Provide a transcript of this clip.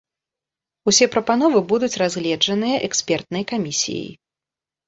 Усе прапановы будуць разгледжаныя экспертнай камісіяй.